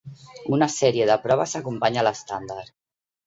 Una sèrie de proves acompanya l'estàndard.